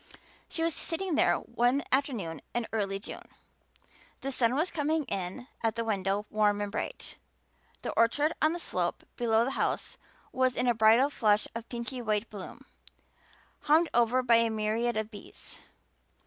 She was sitting there one afternoon in early June. The sun was coming in at the window warm and bright; the orchard on the slope below the house was in a bridal flush of pinky white bloom, hummed over by a myriad of bees.